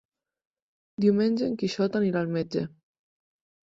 Diumenge en Quixot anirà al metge.